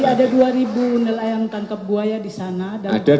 jadi ada dua ribu nelayan tangkap buaya di sana